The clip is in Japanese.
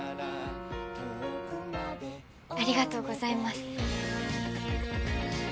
ありがとうございます。